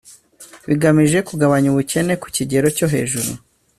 bigamije kugabanya ubukene ku kigero cyo hejuru,